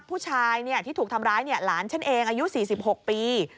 ผู้ชายที่ถูกทำร้ายหลานฉันเองอายุ๔๖ปี